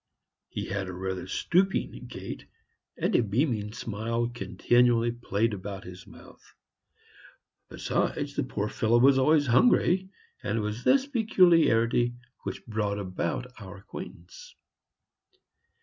He had a rather stooping gait, and a beaming smile continually played about his mouth. Besides, the poor fellow was always hungry, and it was this peculiarity which brought about our acquaintance.